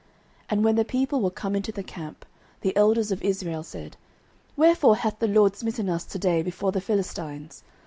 09:004:003 And when the people were come into the camp, the elders of Israel said, Wherefore hath the LORD smitten us to day before the Philistines?